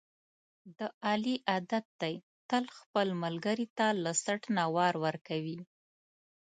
د علي عادت دی، تل خپل ملګري ته له څټ نه وار ورکوي.